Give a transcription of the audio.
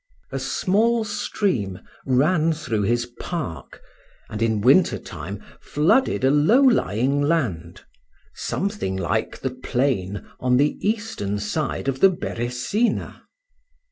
A small stream ran through his park, and in winter time flooded a low lying land, something like the plain on the eastern side of the Beresina.